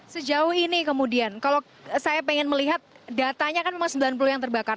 sejauh ini kemudian kalau saya ingin melihat datanya kan memang sembilan puluh yang terbakar